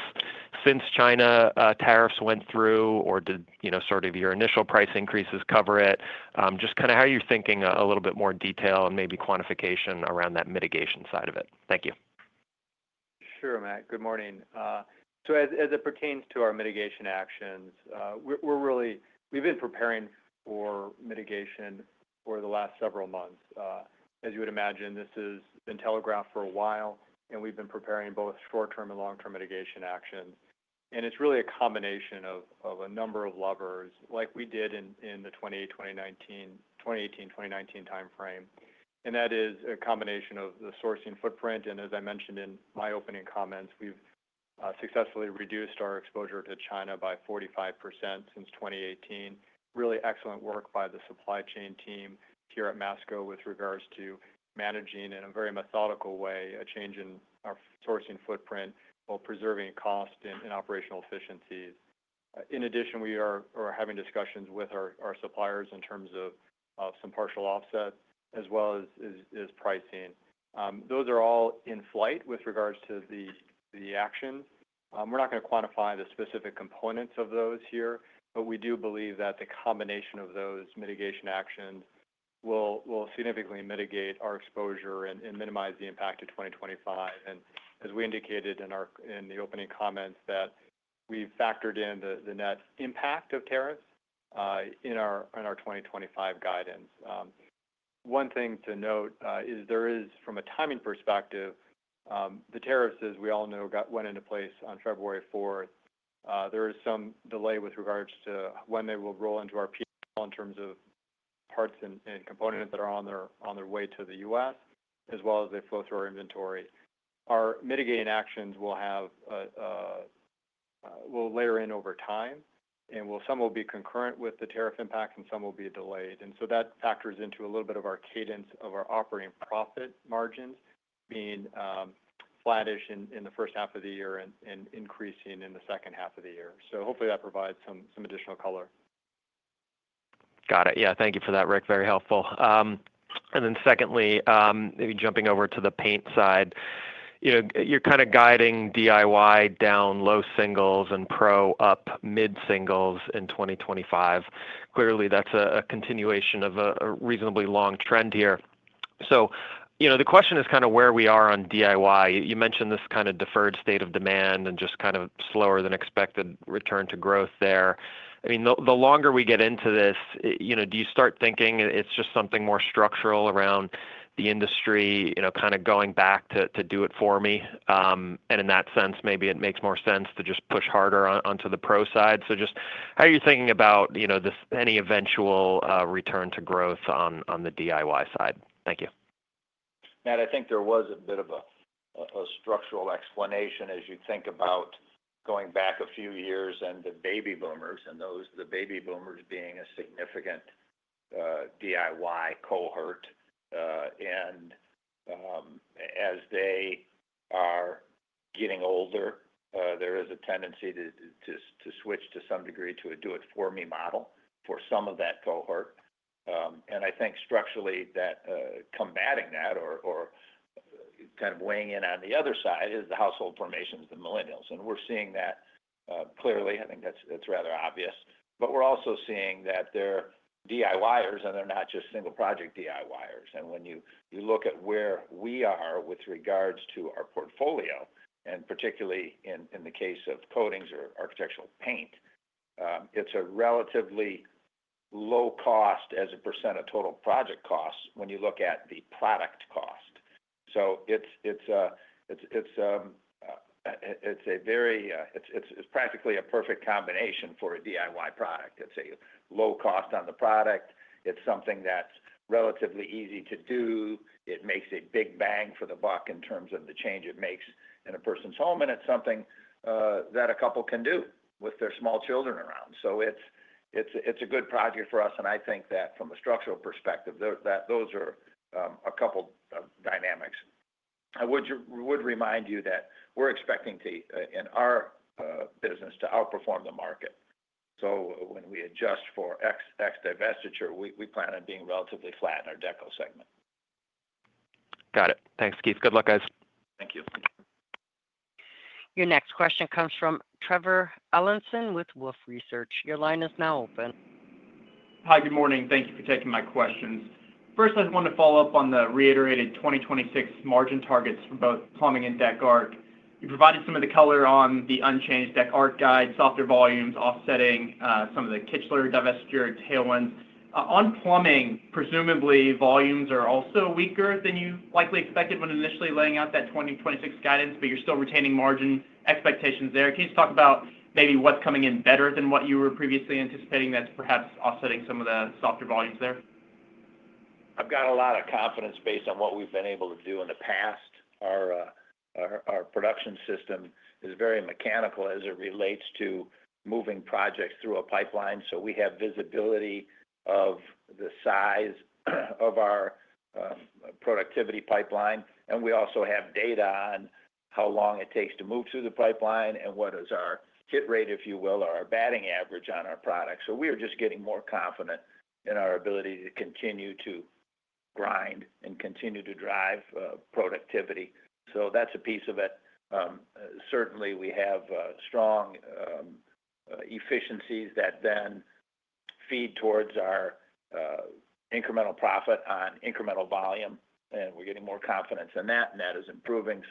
since China tariffs went through, or did your initial price increases cover it? Just how you're thinking a little bit more detail and maybe quantification around that mitigation side of it. Thank you. Sure, Matt. Good morning. As it pertains to our mitigation actions, we've been preparing for mitigation for the last several months. As you would imagine, this has been telegraphed for a while, and we've been preparing both short-term and long-term mitigation actions. It's really a combination of a number of levers like we did in the 2018-2019 timeframe. That is a combination of the sourcing footprint. As I mentioned in my opening comments, we've successfully reduced our exposure to China by 45% since 2018. Really excellent work by the supply chain team here at Masco with regards to managing in a very methodical way a change in our sourcing footprint while preserving cost and operational efficiencies. In addition, we are having discussions with our suppliers in terms of some partial offset as well as pricing. Those are all in flight with regards to the action. We're not going to quantify the specific components of those here, but we do believe that the combination of those mitigation actions will significantly mitigate our exposure and minimize the impact of 2025, and as we indicated in the opening comments, that we've factored in the net impact of tariffs in our 2025 guidance. One thing to note is there is, from a timing perspective, the tariffs, as we all know, went into place on February 4th. There is some delay with regards to when they will roll into our P&L in terms of parts and components that are on their way to the U.S., as well as they flow through our inventory. Our mitigating actions will layer in over time, and some will be concurrent with the tariff impact, and some will be delayed. That factors into a little bit of our cadence of our operating profit margins being flattish in the first half of the year and increasing in the second half of the year. Hopefully, that provides some additional color. Got it. Yeah. Thank you for that, Rick. Very helpful. Then secondly, maybe jumping over to the paint side, you're guiding DIY down low singles and pro up mid-singles in 2025. Clearly, that's a continuation of a reasonably long trend here. The question is where we are on DIY. You mentioned this deferred state of demand and just slower than expected return to growth there. I mean, the longer we get into this, do you start thinking it's just something more structural around the industry, going back to do it for me? In that sense, maybe it makes more sense to just push harder onto the pro side. Just how are you thinking about any eventual return to growth on the DIY side? Thank you. Matt, I think there was a bit of a structural explanation as you think about going back a few years and the baby boomers being a significant DIY cohort. As they are getting older, there is a tendency to switch to some degree to a do-it-for-me model for some of that cohort. I think structurally that combating that or weighing in on the other side is the household formations, the millennials. We're seeing that clearly. I think that's rather obvious. We're also seeing that they're DIYers, and they're not just single-project DIYers. When you look at where we are with regards to our portfolio, and particularly in the case of coatings or architectural paint, it's a relatively low cost as a % of total project costs when you look at the product cost. It's a very, it's practically a perfect combination for a DIY product. It's a low cost on the product. It's something that's relatively easy to do. It makes a big bang for the buck in terms of the change it makes in a person's home. It's something that a couple can do with their small children around. It's a good project for us. I think that from a structural perspective, those are a couple of dynamics. I would remind you that we're expecting in our business to outperform the market. When we adjust for ex divestiture, we plan on being relatively flat in our deco segment. Got it. Thanks, Keith. Good luck, guys. Thank you. Your next question comes from Trevor Allinson with Wolf Research. Your line is now open. Hi, good morning. Thank you for taking my questions. First, I want to follow up on the reiterated 2026 margin targets for both plumbing and deco. You provided some of the color on the unchanged deco guide, softer volumes, offsetting some of the Kichler divestiture tailwinds. On plumbing, presumably volumes are also weaker than you likely expected when initially laying out that 2026 guidance, but you're still retaining margin expectations there. Can you just talk about maybe what's coming in better than what you were previously anticipating that's perhaps offsetting some of the softer volumes there? I've got a lot of confidence based on what we've been able to do in the past. Our production system is very mechanical as it relates to moving projects through a pipeline. So, we have visibility of the size of our productivity pipeline. We also have data on how long it takes to move through the pipeline and what is our hit rate, if you will, or our batting average on our product. So, we are just getting more confident in our ability to continue to grind and continue to drive productivity. That's a piece of it. Certainly, we have strong efficiencies that then feed towards our incremental profit on incremental volume. We're getting more confidence in that, and that is improving.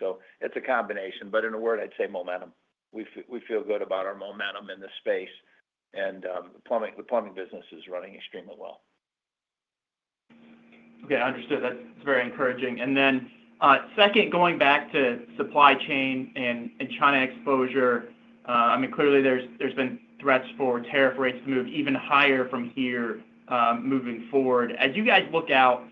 It's a combination. In a word, I'd say momentum. We feel good about our momentum in the space. The plumbing business is running extremely well. Okay. Understood. That's very encouraging. Then second, going back to supply chain and China exposure, Clearly there's been threats for tariff rates to move even higher from here moving forward. As you guys look out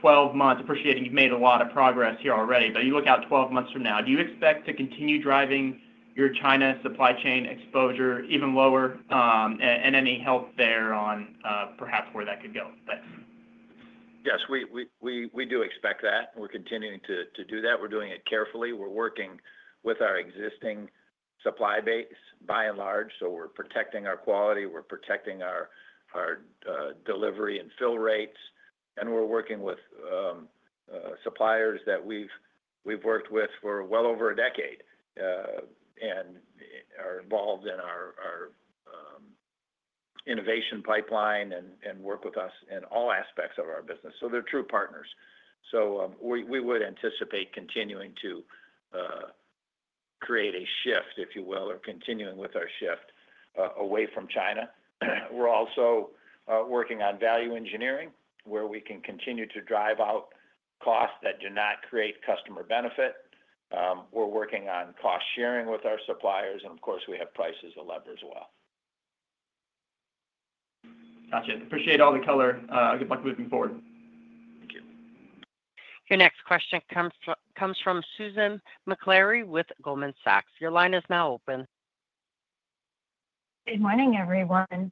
12 months, appreciating you've made a lot of progress here already, but you look out 12 months from now, do you expect to continue driving your China supply chain exposure even lower? Any help there on perhaps where that could go? Thanks. Yes, we do expect that. We're continuing to do that. We're doing it carefully. We're working with our existing supply base by and large. We're protecting our quality. We're protecting our delivery and fill rates. We're working with suppliers that we've worked with for well over a decade and are involved in our innovation pipeline and work with us in all aspects of our business. So, they're true partners. We would anticipate continuing to create a shift, if you will, or continuing with our shift away from China. We're also working on value engineering where we can continue to drive out costs that do not create customer benefit. We're working on cost sharing with our suppliers. We have prices to lever as well. Gotcha. Appreciate all the color. Good luck moving forward. Thank you. Your next question comes from Susan Maklari with Goldman Sachs. Your line is now open. Good morning, everyone. Good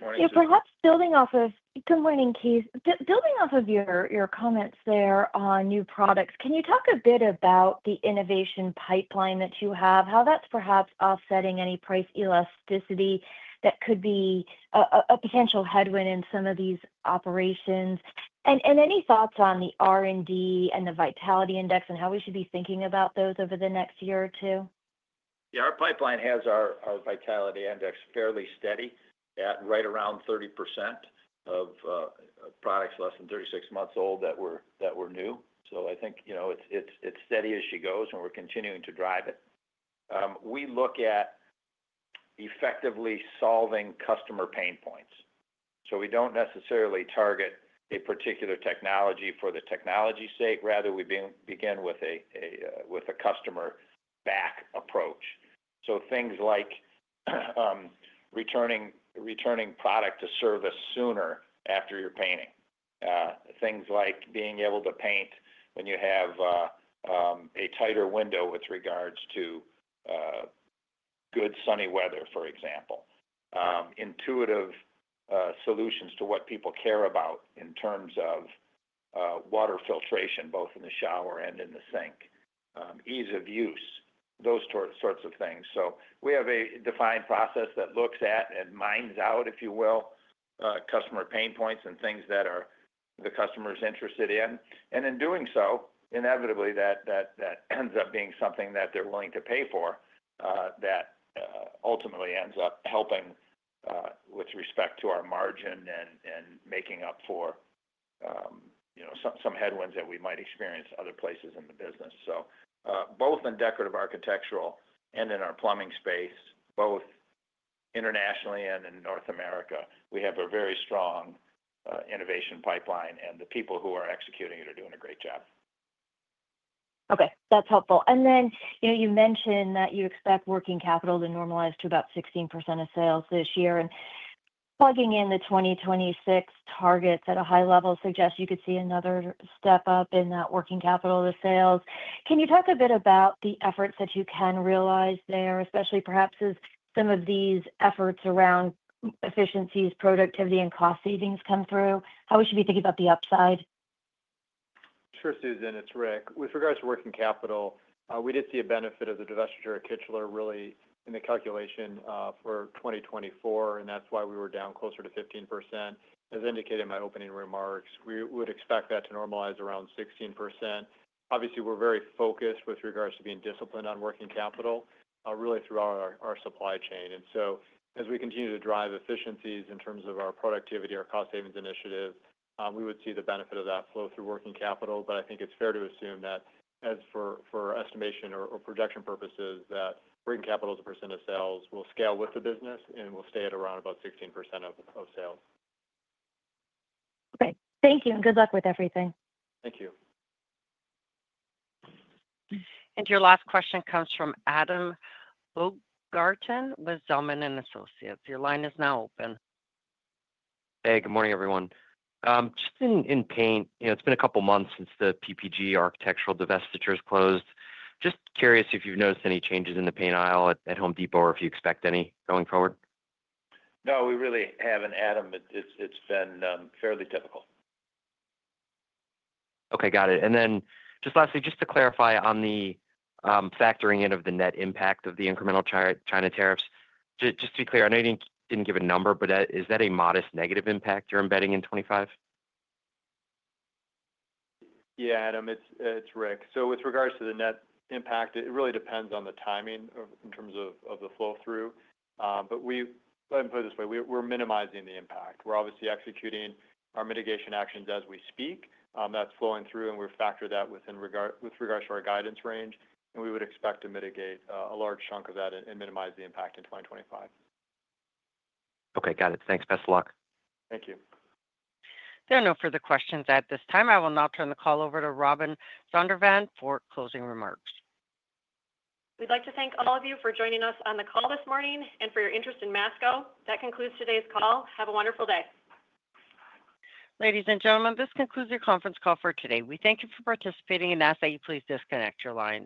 morning. Perhaps building off of good morning, Keith. Building off of your comments there on new products, can you talk a bit about the innovation pipeline that you have, how that's perhaps offsetting any price elasticity that could be a potential headwind in some of these operations? Any thoughts on the R&D and the Vitality Index and how we should be thinking about those over the next year or two? Yeah, our pipeline has our Vitality Index fairly steady at right around 30% of products less than 36 months old that were new. So, I think it's steady as she goes, and we're continuing to drive it. We look at effectively solving customer pain points. We don't necessarily target a particular technology for the technology's sake. Rather, we begin with a customer-back approach. Things like returning product to service sooner after you're painting. Things like being able to paint when you have a tighter window with regards to good sunny weather, for example. Intuitive solutions to what people care about in terms of water filtration, both in the shower and in the sink. Ease of use, those sorts of things. We have a defined process that looks at and mines out, if you will, customer pain points and things that the customer is interested in. In doing so, inevitably, that ends up being something that they're willing to pay for that ultimately ends up helping with respect to our margin and making up for some headwinds that we might experience other places in the business. Both in decorative architectural and in our plumbing space, both internationally and in North America, we have a very strong innovation pipeline. The people who are executing it are doing a great job. That's helpful. And then you mentioned that you expect working capital to normalize to about 16% of sales this year. And plugging in the 2026 targets at a high level suggests you could see another step up in that working capital to sales. Can you talk a bit about the efforts that you can realize there, especially perhaps as some of these efforts around efficiencies, productivity, and cost savings come through? How should we think about the upside? Sure, Susan. It's Rick. With regards to working capital, we did see a benefit of the divestiture of Kichler really in the calculation for 2024. That's why we were down closer to 15%, as indicated in my opening remarks. We would expect that to normalize around 16%. Obviously, we're very focused with regards to being disciplined on working capital really through our supply chain. As we continue to drive efficiencies in terms of our productivity, our cost savings initiative, we would see the benefit of that flow through working capital. I think it's fair to assume that, as for estimation or projection purposes, that working capital as a percent of sales will scale with the business and will stay at around about 16% of sales. Okay. Thank you. And good luck with everything. Thank you. Your last question comes from Adam Baumgarten with Zelman & Associates. Your line is now open. Hey, good morning, everyone. Just in paint, it's been a couple of months since the PPG architectural divestitures closed. Just curious if you've noticed any changes in the paint aisle at Home Depot or if you expect any going forward. No, we really haven't, Adam. It's been fairly typical. Okay. Got it. Then just lastly, just to clarify on the factoring in of the net impact of the incremental China tariffs, just to be clear, I know you didn't give a number, but is that a modest negative impact you're embedding in 2025? Yeah, Adam. It's Rick. With regards to the net impact, it really depends on the timing in terms of the flow through. Let me put it this way. We're minimizing the impact. We're obviously executing our mitigation actions as we speak. That's flowing through, and we've factored that with regards to our guidance range. We would expect to mitigate a large chunk of that and minimize the impact in 2025. Okay. Got it. Thanks. Best of luck. Thank you. There are no further questions at this time. I will now turn the call over to Robin Zondervan for closing remarks. We'd like to thank all of you for joining us on the call this morning and for your interest in Masco. That concludes today's call. Have a wonderful day. Ladies and gentlemen, this concludes your conference call for today. We thank you for participating and ask that you please disconnect your line.